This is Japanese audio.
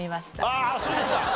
あっそうですか。